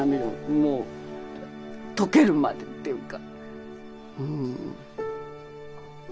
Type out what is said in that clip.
もう溶けるまでっていうか。